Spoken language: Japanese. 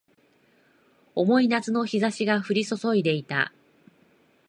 重い夏の日差しが降り注いでいた